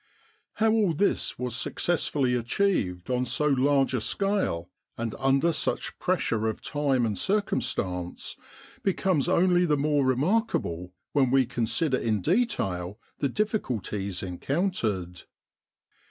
How all this was successfully achieved on so large a scale and under such pressure of time and circum stance, becomes only the more remarkable when we consider in detail the difficulties encountered.